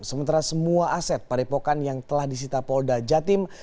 sementara semua aset padepokan yang telah disita polda jatim